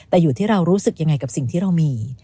แต่อยู่ที่เรารู้สึกยังไงกับสิ่งที่เรามี